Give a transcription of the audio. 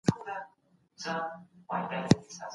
بدن ځانګړې کيمياوي ماده جوړوي.